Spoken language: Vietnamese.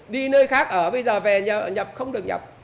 đi nơi khác ở bây giờ về nhập không được nhập